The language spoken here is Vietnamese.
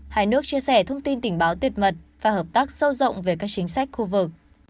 hai nước chia sẻ thông tin tình báo tuyệt mật và hợp tác sâu rộng về các chính sách khu vực